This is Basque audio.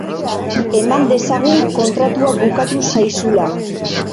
Eman dezagun kontratua bukatu zaizula.